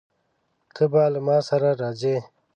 ته به له ما سره راځې؟